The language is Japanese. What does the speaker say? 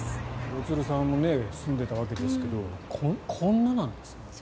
廣津留さんも住んでたわけですけどこんななんですね。